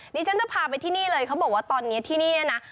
ดิฉันจะพาไปที่นี่เลยเขาบอกว่าตอนนี้ที่นี่เนี่ยนะ